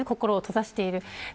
心を閉ざしていたり。